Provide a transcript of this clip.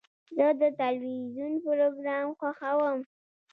زه د تلویزیون پروګرام خوښوم.